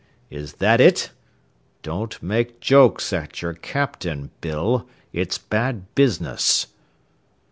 Is that it? Don't make jokes at your captain, Bill. It's bad business."